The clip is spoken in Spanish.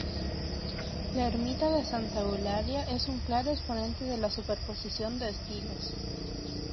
La ermita de Santa Eulalia es un claro exponente de la superposición de estilos.